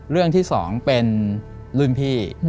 เรื่องที่๒เป็นรุ่นพี่